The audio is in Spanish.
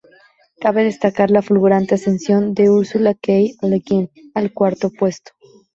Cabe destacar la fulgurante ascensión de Ursula K. Le Guin al cuarto puesto.